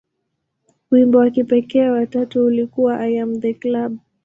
Wimbo wa kipekee wa tatu ulikuwa "I Am The Club".